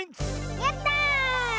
やった！